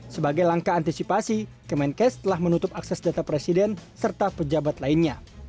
sebagai langkah antisipasi kemenkes telah menutup akses data presiden serta pejabat lainnya